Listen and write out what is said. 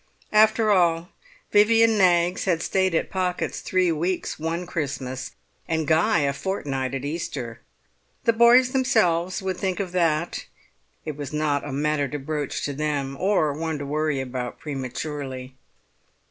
After all, Vivian Knaggs had stayed at Pocket's three weeks one Christmas, and Guy a fortnight at Easter; the boys themselves would think of that; it was not a matter to broach to them, or one to worry about, prematurely.